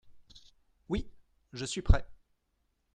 Oui, je suis prêt.